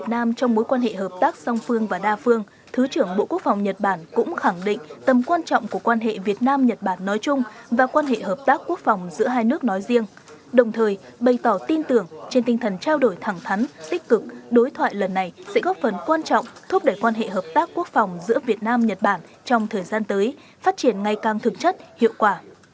trong quan hệ hợp tác song phương và đa phương thứ trưởng bộ quốc phòng nhật bản cũng khẳng định tầm quan trọng của quan hệ việt nam nhật bản nói chung và quan hệ hợp tác quốc phòng giữa hai nước nói riêng đồng thời bày tỏ tin tưởng trên tinh thần trao đổi thẳng thắn tích cực đối thoại lần này sẽ góp phần quan trọng thúc đẩy quan hệ hợp tác quốc phòng giữa việt nam nhật bản trong thời gian tới phát triển ngày càng thực chất hiệu quả